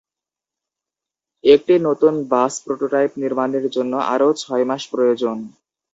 একটি নতুন bus prototype নির্মাণের জন্য আরও ছয় মাস প্রয়োজন।